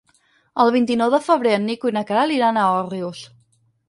El vint-i-nou de febrer en Nico i na Queralt iran a Òrrius.